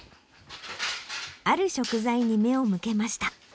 ある食材に目を向けました。